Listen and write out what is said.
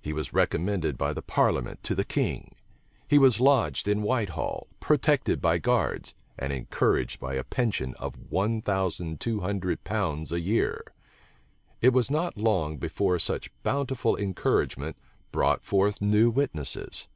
He was recommended by the parliament to the king. He was lodged in Whitehall, protected by guards, and encouraged by a pension of one thousand two hundred pounds a year. It was not long before such bountiful encouragement brought forth new witnesses.